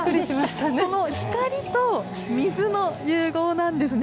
この光と水の融合なんですね。